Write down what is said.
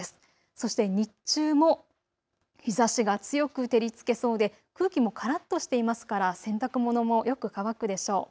そして日中も日ざしが強く照りつけそうで空気もからっとしていますから洗濯物もよく乾くでしょう。